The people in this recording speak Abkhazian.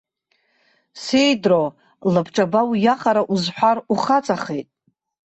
Сеидроу, лабҿаба уиаҟара узҳәар ухаҵахеит.